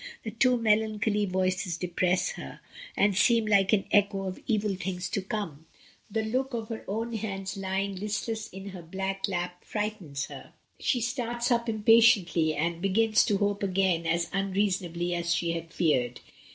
The two melancholy voices depress her, and seem like an echo of evil things to come; the look of her own hands lying listless in her black lap frightens her. She starts up impatiently, and begins to hope again as un reasonably as she had feared.